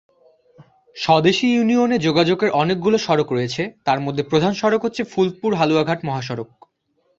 স্বদেশী ইউনিয়নে যোগাযোগের অনেকগুলো সড়ক রয়েছে তার মধ্য প্রধান সড়ক হচ্ছে ফুলপুর-হালুয়াঘাট মহাসড়ক।